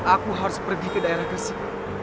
aku harus pergi ke daerah gresik